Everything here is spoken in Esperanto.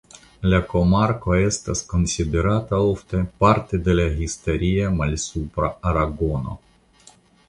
La komarko estas konsiderata ofte parto de la Historia Malsupra Aragono.